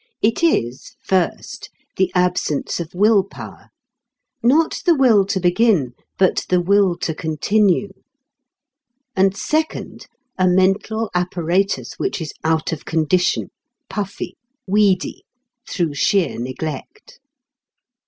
It is, first, the absence of will power not the will to begin, but the will to continue; and, second, a mental apparatus which is out of condition, "puffy," "weedy," through sheer neglect.